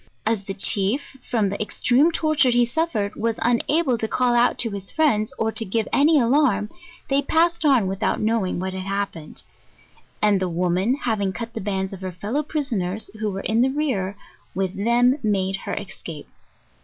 As the chief, from the extreme torture he suffered, was una ble to call out to his friends, or to give any alarm, they pas sed on without knowing what had happened; and the woman having cut the bands of her fellow prisoners, who were in the rear, with them made her escape.